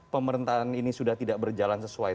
pemerintahan ini sudah tidak berjalan sesuai